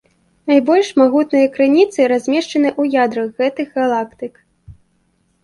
Найбольш магутныя крыніцы размешчаны ў ядрах гэтых галактык.